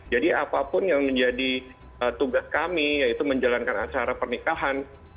jadi apapun yang menjadi tugas kami yaitu menjalankan acara pernikahan